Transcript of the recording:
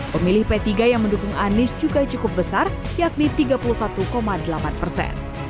pemilih p tiga yang mendukung anies juga cukup besar yakni tiga puluh satu delapan persen